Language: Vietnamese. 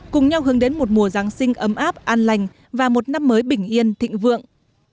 cùng nhau hướng đến một mùa giáng sinh ấm áp an lành và một năm mới bình yên thịnh vượng